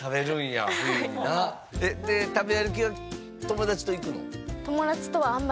食べ歩きは友達と行くの？